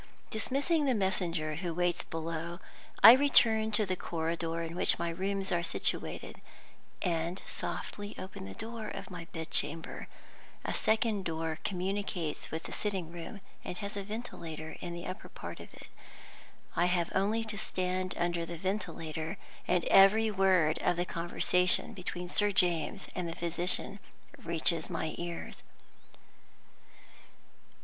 Dismissing the messenger who waits below, I return to the corridor in which my rooms are situated, and softly open the door of my bed chamber. A second door communicates with the sitting room, and has a ventilator in the upper part of it. I have only to stand under the ventilator, and every word of the conversation between Sir James and the physician reaches my ears.